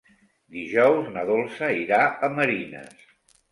Dijous na Dolça irà a Marines.